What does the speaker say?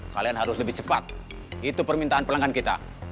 kalian harus lebih cepat itu permintaan pelanggan kita